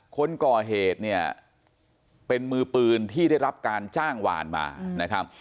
คนก่อเหตุเนี่ยเป็นมือปืนที่ได้รับการจ้างวานมานะครับ